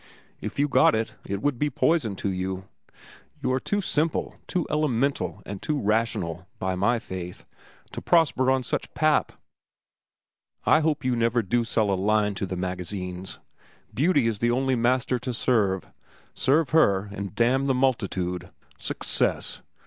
If you got it, it would be poison to you. You are too simple, too elemental, and too rational, by my faith, to prosper on such pap. I hope you never do sell a line to the magazines. Beauty is the only master to serve. Serve her and damn the multitude! Success!